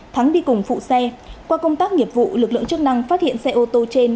thắng đi cùng phụ xe qua công tác nghiệp vụ lực lượng chức năng phát hiện xe ô tô trên